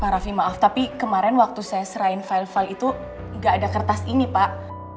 pak raffi maaf tapi kemarin waktu saya strain file file itu nggak ada kertas ini pak